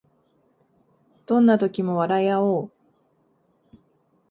どんな時も笑いあおう